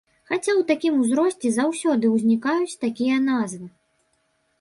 Хаця ў такім узросце заўсёды ўзнікаюць такія назвы!